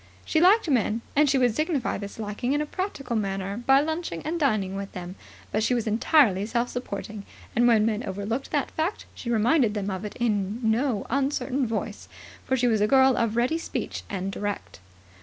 She liked men, and she would signify this liking in a practical manner by lunching and dining with them, but she was entirely self supporting, and when men overlooked that fact she reminded them of it in no uncertain voice; for she was a girl of ready speech and direct.